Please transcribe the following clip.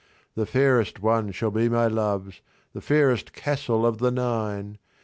'The fairest one shall be my love's, The fairest castle of the nine!